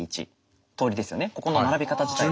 ここの並び方自体は。